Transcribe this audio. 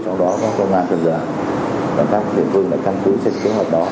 trong đó có công an cần giờ công an tp hcm đã căn cứ xét kế hoạch đó